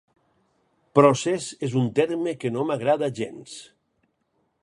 ’Procés és un terme que no m’agrada gens.